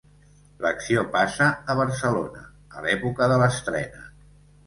L'acció passa a Barcelona, a l'època de l'estrena.